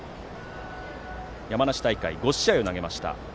山梨大会は５試合投げました。